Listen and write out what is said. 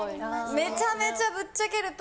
めちゃめちゃぶっちゃけると。